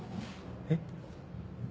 えっ？